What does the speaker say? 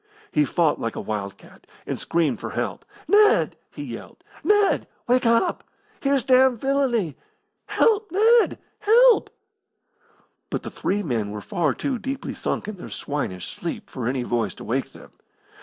He fought like a wild cat, and screamed for help. "Ned!" he yelled. "Ned! Wake up! Here's damned villainy! Help, Ned! help!" But the three men were far too deeply sunk in their swinish sleep for any voice to wake them.